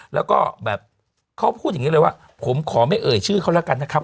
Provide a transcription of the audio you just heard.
แล้วก็แบบเขาพูดอย่างนี้เลยว่าผมขอไม่เอ่ยชื่อเขาแล้วกันนะครับ